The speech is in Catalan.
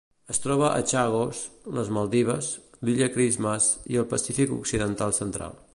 Es troba a Chagos, les Maldives, l'Illa Christmas i el Pacífic occidental central.